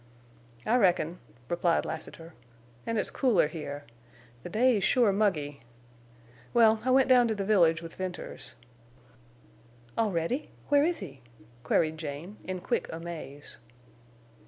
"I reckon," replied Lassiter. "An' it's cooler here. The day's sure muggy. Well, I went down to the village with Venters." "Already! Where is he?" queried Jane, in quick amaze.